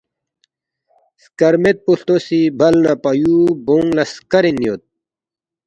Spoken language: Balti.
سکرمیدپو ہلتوسی بل نہ پایو بونگ لا سکرین یود